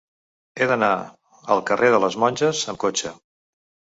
He d'anar al carrer de les Monges amb cotxe.